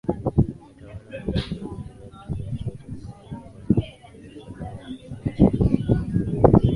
watawala wa Vuga waliendelea kutumia cheo cha Simba Mwene Baadaye alikuwa chifu wa Bumbuli